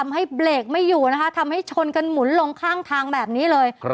ให้เบรกไม่อยู่นะคะทำให้ชนกันหมุนลงข้างทางแบบนี้เลย